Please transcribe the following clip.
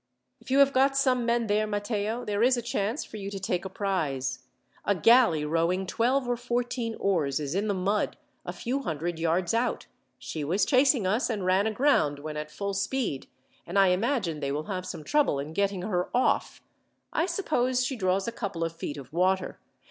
"If you have got some men there, Matteo, there is a chance for you to take a prize. A galley rowing twelve or fourteen oars is in the mud, a few hundred yards out. She was chasing us, and ran aground when at full speed, and I imagine they will have some trouble in getting her off. I suppose she draws a couple of feet of water.